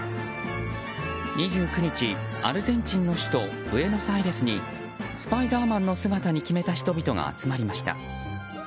２９日、アルゼンチンの首都ブエノスアイレスにスパイダーマンの姿に決めた人々が集まりました。